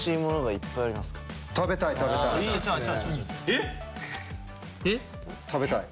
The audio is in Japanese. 食べたい食べたい。